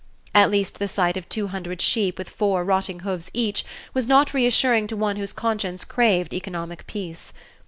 At least the sight of two hundred sheep with four rotting hoofs each, was not reassuring to one whose conscience craved economic peace.